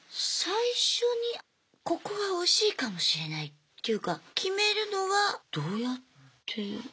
最初にここがおいしいかもしれないっていうか決めるのはどうやって？